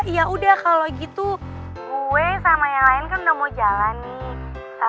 ya udah kalau gitu gue sama yang lain kan udah mau jalan nih